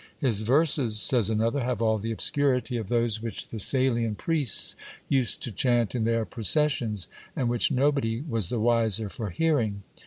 His verses, says another, have all the obscurity of those which the Salian priests used to chaunt in their processions, and which nobody was the wiser for hearing.